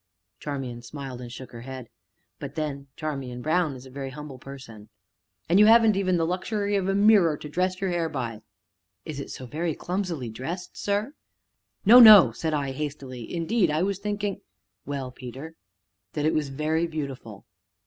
Charmian smiled and shook her head. "But then, Charmian Brown is a very humble person, sir." "And you haven't even the luxury of a mirror to dress your hair by!" "Is it so very clumsily dressed, sir?" "No, no," said I hastily, "indeed I was thinking " "Well, Peter?" "That it was very beautiful!"